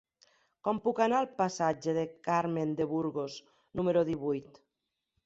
Com puc anar al passatge de Carmen de Burgos número divuit?